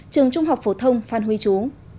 trường trung học phổ thông phan huy chú